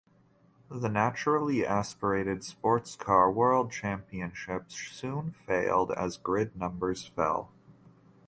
The naturally aspirated Sportscar World Championship soon failed as grid numbers fell.